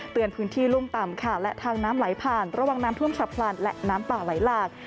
พื้นที่รุ่มต่ำค่ะและทางน้ำไหลผ่านระวังน้ำท่วมฉับพลันและน้ำป่าไหลหลาก